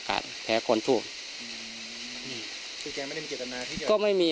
การแก้เคล็ดบางอย่างแค่นั้นเอง